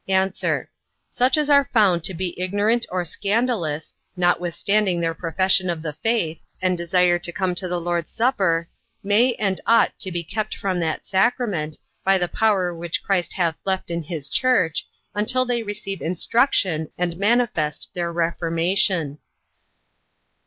A. Such as are found to be ignorant or scandalous, notwithstanding their profession of the faith, and desire to come to the Lord's supper, may and ought to be kept from that sacrament, by the power which Christ hath left in his church, until they receive instruction, and manifest their reformation.